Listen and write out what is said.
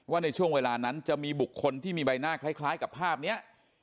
ในช่วงเวลานั้นจะมีบุคคลที่มีใบหน้าคล้ายกับภาพนี้